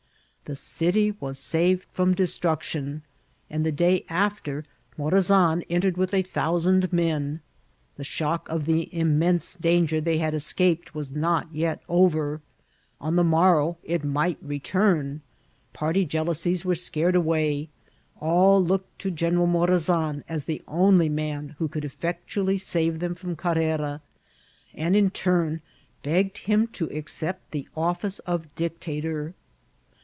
The city was saved from destruction, and the day after Morazan entered with a thousand men. The shock of the immense danger they had es caped was not yet over ; on the morrow it might re turn ; party jealousies were scared away ; all looked to General Morazan as the only man who could eflfectually save them from Carrera, and, in turn, begged him to accept the office of dictator.